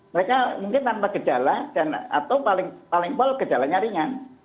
mereka mungkin tanpa gejala dan atau paling pol gejalanya ringan